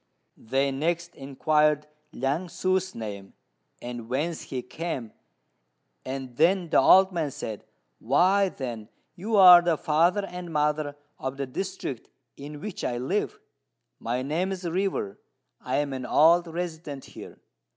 They next inquired Liang ssŭ's name, and whence he came, and then the old man said, "Why, then, you are the father and mother of the district in which I live. My name is River: I am an old resident here.